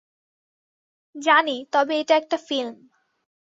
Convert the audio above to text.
জানি, তবে এটা একটা ফিল্ম।